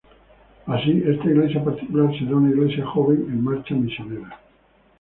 Así, esta Iglesia particular será una Iglesia joven en marcha Misionera.